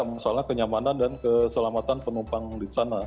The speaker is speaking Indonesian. masalah kenyamanan dan keselamatan penumpang di sana